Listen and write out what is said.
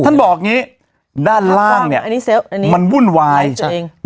บอกอย่างงี้ด้านล่างเนี่ยอันนี้เซลล์อันนี้มันวุ่นวายใช่